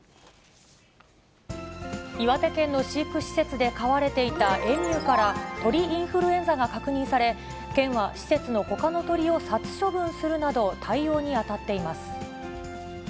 岩手県の飼育施設で飼われていたエミューから、鳥インフルエンザが確認され、県は施設のほかの鳥を殺処分するなど、対応に当たっています。